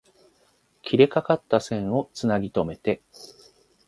切れかかった線を繋ぎとめて